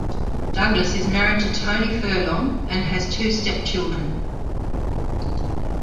Douglas is married to Tony Furlong and has two step children.